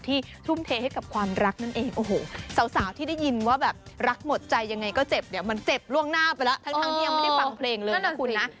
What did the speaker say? ทั้งที่ยังไม่ได้ฟังเพลงเลยนะคุณนะ